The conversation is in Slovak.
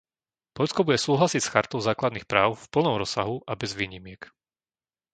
Poľsko bude súhlasiť s Chartou základných práv v plnom rozsahu a bez výnimiek.